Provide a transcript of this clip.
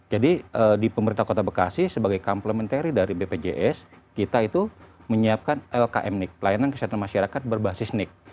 jadi di pemerintah kota bekasi sebagai complementary dari bpjs kita itu menyiapkan lkm nik pelayanan kesehatan masyarakat berbasis nik